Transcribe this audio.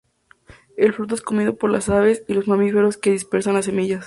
El fruto es comido por las aves y los mamíferos, que dispersan las semillas.